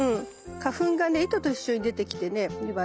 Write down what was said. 花粉がね糸と一緒に出てきてね粘る。